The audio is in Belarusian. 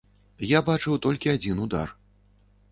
Я бачыў толькі адзін удар.